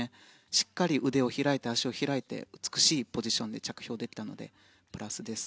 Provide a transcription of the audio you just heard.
しっかり腕を開いて足を開いて美しいポジションで着氷できたのでプラスです。